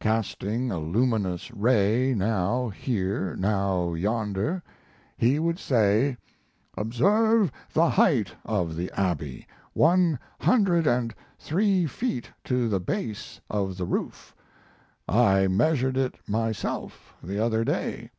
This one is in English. Casting a luminous ray now here, now yonder, he would say: "Observe the height of the Abbey one hundred and three feet to the base of the roof; I measured it myself the other day.